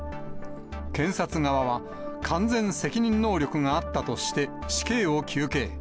検察側は、完全責任能力があったとして死刑を求刑。